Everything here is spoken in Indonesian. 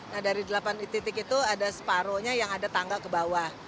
nah dari delapan titik itu ada separohnya yang ada tangga ke bawah